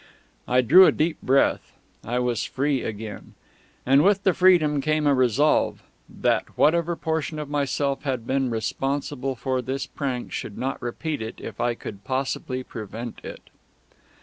I drew a deep breath. I was free again. And with the freedom came a resolve that whatever portion of myself had been responsible for this prank should not repeat it if I could possibly prevent it.